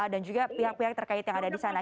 dan juga pihak pihak terkait yang ada di sana